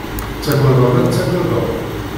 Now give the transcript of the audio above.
Tettagadeḍ ad tagadeḍ?